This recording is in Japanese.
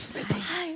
はい。